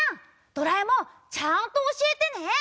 ドラえもん、ちゃんと教えてね。